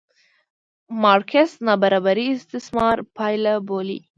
مارکس نابرابري استثمار پایله بولي.